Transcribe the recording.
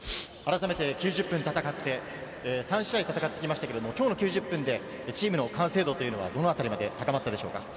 ９０分戦って、３試合戦ってきましたけど、今日の９０分でチームの完成度はどのあたりまで高まりましたか？